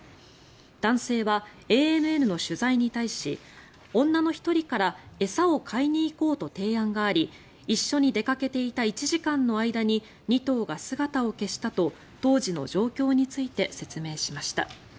男性はＡＮＮの取材に対し女の１人から餌を買いに行こうと提案があり一緒に出かけていた１時間の間に２頭が姿を消したと当時の状況について説明しました。